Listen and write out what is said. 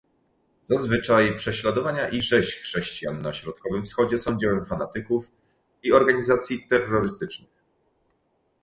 Zazwyczaj prześladowania i rzeź chrześcijan na Środkowym Wschodzie są dziełem fanatyków i organizacji terrorystycznych